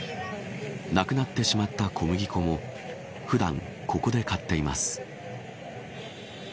なくなってしまった小麦粉も普段ここで買っています。